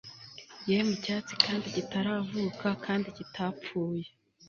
yemwe icyatsi kandi kitaravuka kandi kidapfuye